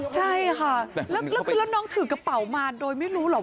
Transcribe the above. ใช่ค่ะแล้น้องถือกระเป๋ามาโดยไม่รู้หรอก